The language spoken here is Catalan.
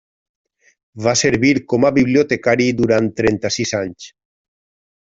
Va servir com a bibliotecari durant trenta-sis anys.